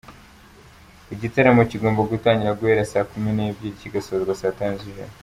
Igitaramo kigomba gutangira guhera saa kumi n’ebyiri kigasozwa saa tanu z’ijoro.